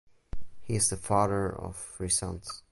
He is the father of three sons.